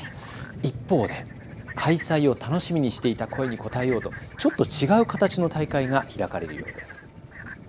一方で開催を楽しみにしていた声に応えようとちょっと違う形の大会が開かれるようです。